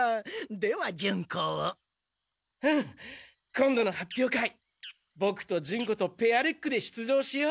今度の発表会ボクとジュンコとペアルックで出場しよう。